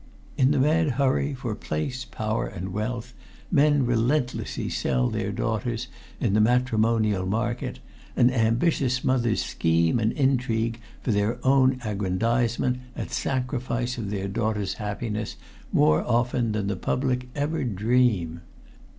In the mad hurry for place, power, and wealth, men relentlessly sell their daughters in the matrimonial market, and ambitious mothers scheme and intrigue for their own aggrandizement at sacrifice of their daughter's happiness more often than the public ever dream.